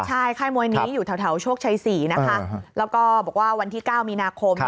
ใช่ค่ายมวยนี้อยู่แถวโชคชัย๔นะคะแล้วก็บอกว่าวันที่๙มีนาคม